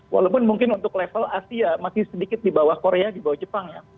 walaupun mungkin untuk level asia masih sedikit di bawah korea di bawah jepang ya